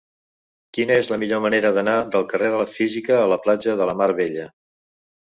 Quina és la millor manera d'anar del carrer de la Física a la platja de la Mar Bella?